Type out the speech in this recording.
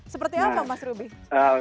seperti apa mas ruby